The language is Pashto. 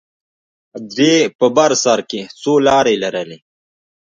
درې په بر سر کښې څو لارې لرلې.